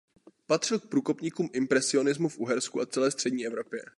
Patřil k průkopníkům impresionismu v Uhersku a celé střední Evropě.